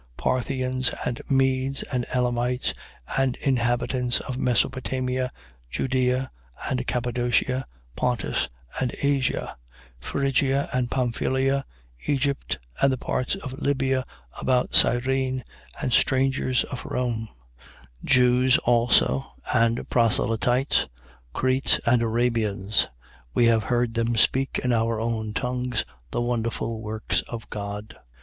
2:9. Parthians and Medes and Elamites and inhabitants of Mesopotamia, Judea, and Cappadocia, Pontus and Asia, 2:10. Phrygia and Pamphylia, Egypt and the parts of Libya about Cyrene, and strangers of Rome, 2:11. Jews also, and proselytes, Cretes, and Arabians: we have heard them speak in our own tongues the wonderful works of God.